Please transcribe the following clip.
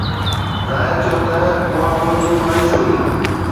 ظاهر ٿيو ته اها منهنجي خواهش هئي.